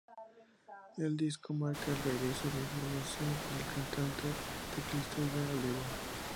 El disco marca el regreso a la formación del cantante y teclista Jon Oliva.